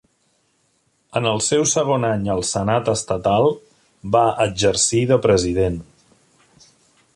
En el seu segon any al senat estatal, va exercir de president.